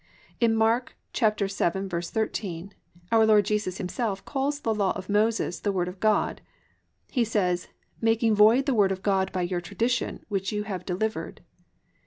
"+ In Mark 7:13 Our Lord Jesus Himself calls the law of Moses "the Word of God." He says +"making void the Word of God by your tradition, which ye have delivered."